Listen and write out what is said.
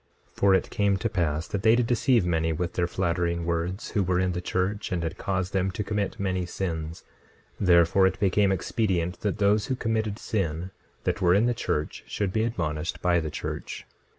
26:6 For it came to pass that they did deceive many with their flattering words, who were in the church, and did cause them to commit many sins; therefore it became expedient that those who committed sin, that were in the church, should be admonished by the church.